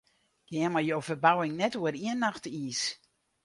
Gean mei jo ferbouwing net oer ien nacht iis.